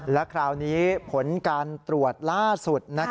และคราวนี้ผลการตรวจล่าสุด